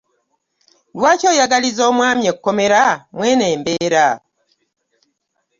Lwaki oyagaliza omwami ekkomera mu eno embeera?